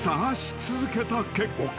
［続けた結果］